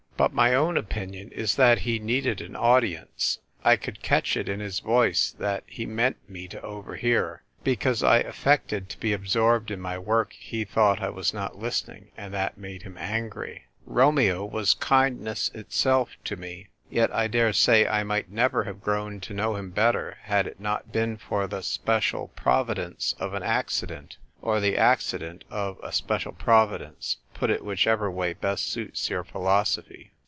But my own opinion is that he needed an audience ; I could catch it in his voice that he meant me to overhear ; because I affected to be absorbed in my work he thought I was not listening, and that made him angry. Romeo was kindness itself to me ; yet I dare say I might never have grown to know him better had it not been for the special L 2 156 THE TYPE WRITER GIRL. providence of an accident — or the accident of a special providence ; put it whichever way best suits your philosophy.